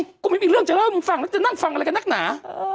กูไม่มีเรื่องจะให้มึงฟังแล้วจะนั่งฟังอะไรกับนักหนา